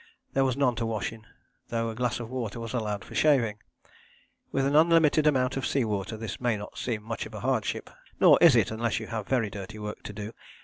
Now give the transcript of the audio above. There was none to wash in, though a glass of water was allowed for shaving! With an unlimited amount of sea water this may not seem much of a hardship; nor is it unless you have very dirty work to do.